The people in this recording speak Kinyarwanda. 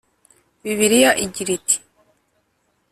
Bibiliya igira iti